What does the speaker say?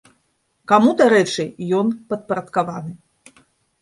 Каму, дарэчы, ён падпарадкаваны?